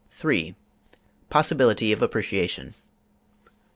3. Possibility of Appreciation.